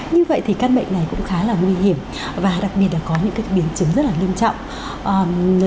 như vậy thì căn bệnh này cũng khá là nguy hiểm và đặc biệt là có những biến chứng rất là nghiêm trọng